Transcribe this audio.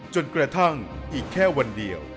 จนกระทั่งอีกแค่วันเดียว